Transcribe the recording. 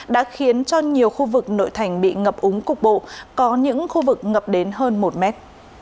đã khiến cho nhiều khu vực nội thành bị ngập úng cục bộ có những khu vực ngập đến hơn một mét